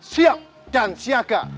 siap dan siaga